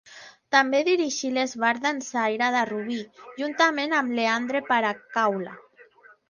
També dirigí l'Esbart Dansaire de Rubí, juntament amb Leandre Peracaula.